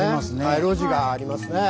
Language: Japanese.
路地ありますね。